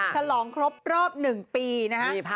ชะลองครบรอบหนึ่งปีนะฮะ